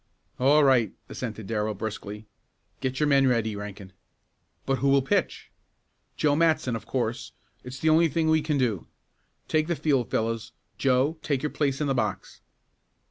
"All right," assented Darrell briskly. "Get your men ready, Rankin." "But who will pitch?" "Joe Matson, of course. It's the only thing we can do. Take the field, fellows. Joe, take your place in the box!"